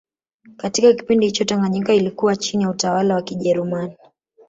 Katika kipindi hicho Tanganyika ilikuwa chini ya utawala wa Kijerumani